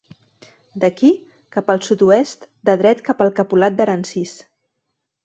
D'aquí, cap al sud-oest, de dret cap al Capolat d'Aransís.